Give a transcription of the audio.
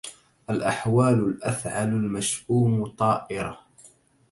الأحول الأثعل المشؤوم طائره